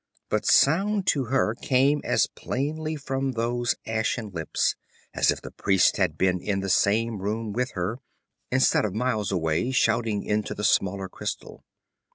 But sound to her came as plainly from those ashen lips as if the priest had been in the same room with her, instead of miles away, shouting into the smaller crystal.